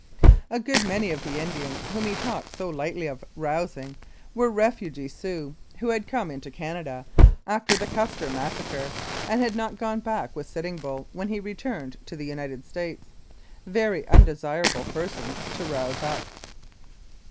A good many of the Indians whom he talked so lightly of rousing were refugee Sioux, who had come 200 Louis Riel: Executed for Treason into Canada after the Custer massacre, and had not gone back with Sitting Bull when he returned to the United States. Very undesirable persons to rouse up.